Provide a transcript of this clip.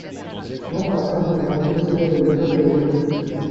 Não faça amanhã o que você poderia fazer hoje.